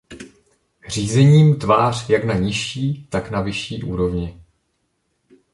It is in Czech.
Řízení m tvář jak na nižší, tak na vyšší úrovni.